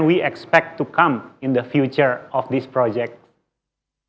untuk berjalan ke depan dalam proyek ini